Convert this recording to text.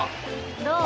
どう？